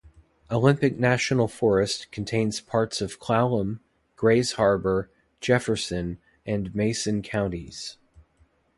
Olympic National Forest contains parts of Clallam, Grays Harbor, Jefferson, and Mason counties.